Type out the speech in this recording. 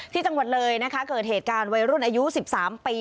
ที่จังหวัดเลยนะคะเกิดเหตุการณ์วัยรุ่นอายุ๑๓ปี